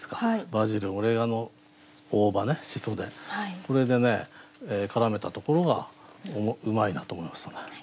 「バジル」「オレガノ」「大葉」ね「紫蘇」でこれでね絡めたところがうまいなと思いましたね。